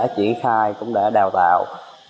triển khai cũng đã đào tạo